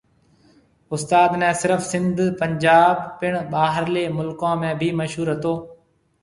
استاد ني صرف سنڌ، پنجاب، پڻ ٻاھرلي مُلڪون ۾ بِي مشھور ھتو